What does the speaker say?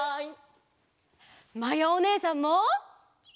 まやおねえさんも！